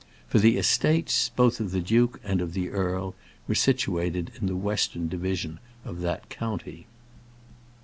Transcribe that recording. For the estates, both of the duke and of the earl, were situated in the western division of that county.